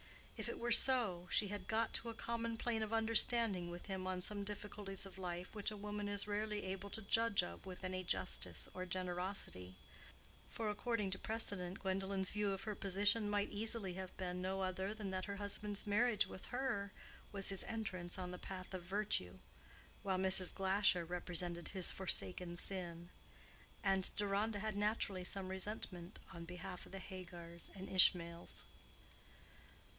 If it were so, she had got to a common plane of understanding with him on some difficulties of life which a woman is rarely able to judge of with any justice or generosity; for, according to precedent, Gwendolen's view of her position might easily have been no other than that her husband's marriage with her was his entrance on the path of virtue, while Mrs. Glasher represented his forsaken sin. And Deronda had naturally some resentment on behalf of the Hagars and Ishmaels.